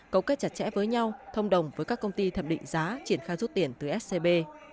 cấu kết chặt chẽ với nhau thông đồng với các công ty thẩm định giá triển khai rút tiền từ scb